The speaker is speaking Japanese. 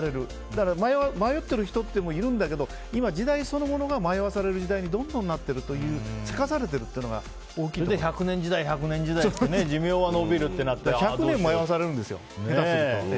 だから迷ってる人もいるんだけど時代そのものが迷わされる時代にどんどんなっているというせかされているというのは１００年時代、１００年時代と１００年迷わされるんですよ。